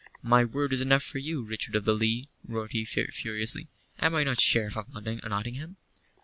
"My word is enough for you, Richard of the Lee," roared he, furiously. "Am I not Sheriff of Nottingham?"